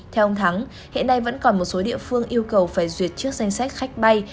theo ông thắng hiện nay vẫn còn một số địa phương yêu cầu phải duyệt trước danh sách khách bay